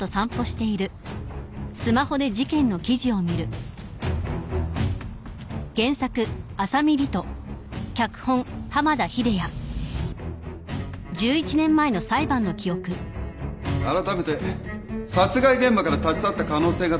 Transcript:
あらためて殺害現場から立ち去った可能性が高い